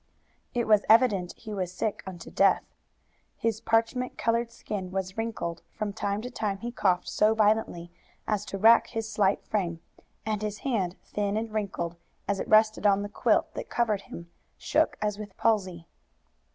It was evident he was sick unto death. His parchment colored skin was wrinkled; from time to time he coughed so violently as to rack his slight frame, and his hand, thin and wrinkled, as it rested on the quilt that covered him, shook as with palsy.